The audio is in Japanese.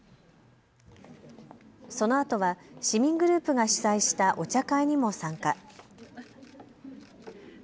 そのあとは市民グループが主催したお茶会にも参加。